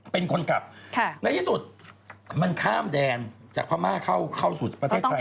เป็นคนขับในที่สุดมันข้ามแดนจากพม่าเข้าสู่ประเทศไทย